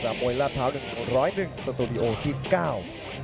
๓มวยลาดเท้า๑๐๑